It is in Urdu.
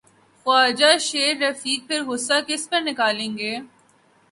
خواجہ سعدرفیق پھر غصہ کس پہ نکالیں گے؟